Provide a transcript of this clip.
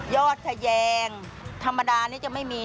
ทะแยงธรรมดานี้จะไม่มี